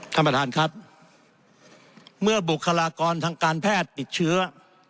ท่านประธานครับเมื่อบุคลากรทางการแพทย์ติดเชื้อ